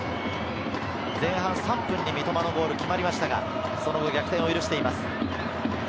前半３分に三笘のゴールが決まりましたが、その後、逆転を許しています。